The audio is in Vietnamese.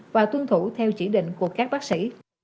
và tuân thủ theo chỉ định của các bác sĩ